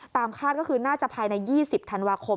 คาดก็คือน่าจะภายใน๒๐ธันวาคม